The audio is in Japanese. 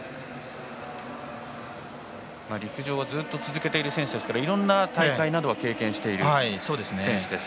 陸上をずっと続けている選手ですからいろんな大会などは経験している選手です。